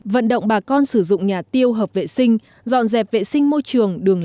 vận động bà con sử dụng nhà tiêu hợp vệ sinh dọn dẹp vệ sinh môi trường đường